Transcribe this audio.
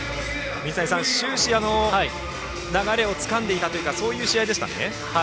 水谷さん、終始流れをつかんでいたというかそういう試合でしたね。